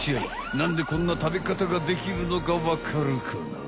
なんでこんな食べ方ができるのかわかるかな？